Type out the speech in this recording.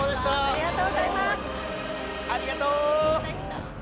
ありがとう！